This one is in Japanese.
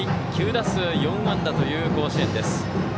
９打数４安打という甲子園です。